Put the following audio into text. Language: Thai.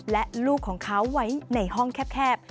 และลูกของเขาไว้ในห้องแคบ